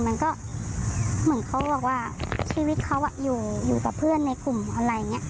มันก็เหมือนเขาบอกว่าชีวิตเขาอยู่กับเพื่อนในกลุ่มอะไรอย่างนี้